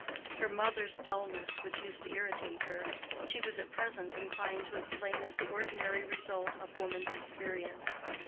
Her mother's dullness, which used to irritate her, she was at present inclined to explain as the ordinary result of woman's experience.